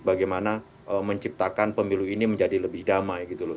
bagaimana menciptakan pemilu ini menjadi lebih damai gitu loh